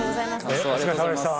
お疲れさまでした。